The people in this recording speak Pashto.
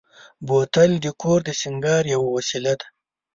بوتل د کور د سینګار یوه وسیله ده.